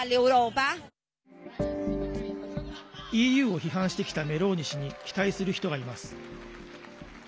ＥＵを批判してきたメローニ氏に期待する人がいます。